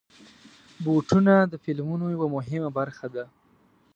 بوټونه د فلمونو یوه مهمه برخه ده.